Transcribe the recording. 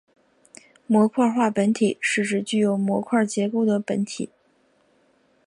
模块化本体是指具有模块结构的本体。